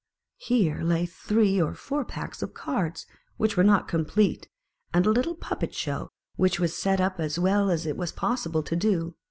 Here lay three or four packs of cards. which were not complete, and a little puppet show, which was set up as well as it was possible to do.